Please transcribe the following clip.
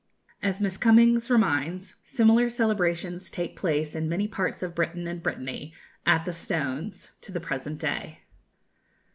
As Miss Cumming reminds, similar celebrations take place in many parts of Britain and Brittany "at the stones" to the present day.